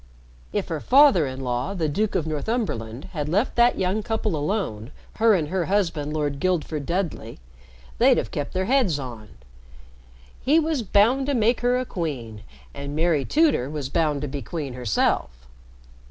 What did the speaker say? "If her father in law, the Duke of Northumberland, had left that young couple alone her and her husband, Lord Guildford Dudley they'd have kept their heads on. He was bound to make her a queen, and Mary Tudor was bound to be queen herself.